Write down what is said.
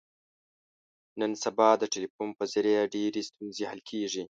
نن سبا د ټلیفون په ذریعه ډېرې ستونزې حل کېږي.